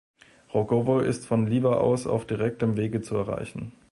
Rogowo ist von Liwa aus auf direktem Wege zu erreichen.